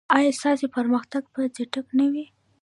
ایا ستاسو پرمختګ به چټک نه وي؟